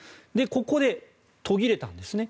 ここで途切れたんですね。